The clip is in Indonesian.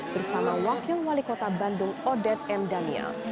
bersama wakil wali kota bandung odet m daniel